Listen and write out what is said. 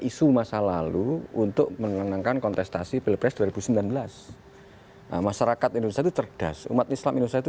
isu masa lalu untuk menenangkan kontestasi pilpres dua ribu sembilan belas masyarakat indonesia itu cerdas umat islam indonesia itu